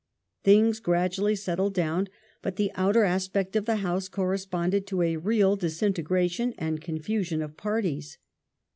^ Things gradually settled down, but the outer aspect of the House corresponded to a real disintegration and confusion of parties.